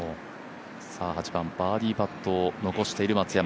８番バーディーパットを残している松山。